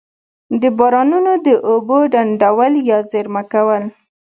د بارانونو د اوبو ډنډول یا زیرمه کول.